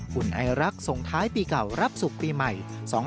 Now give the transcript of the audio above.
หุ่นไอรักทรงท้ายปีเก่ารับสุขปีใหม่